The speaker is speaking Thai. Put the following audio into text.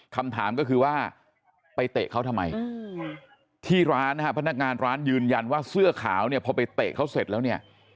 คำถามก็คือว่าไปเตะเขาทำไมที่ร้านนะฮะพนักงานร้านยืนยันว่าเสื้อขาวเนี่ยพอไปเตะเขาเสร็จแล้วเนี่ย